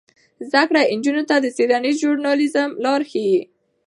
زده کړه نجونو ته د څیړنیز ژورنالیزم لارې ښيي.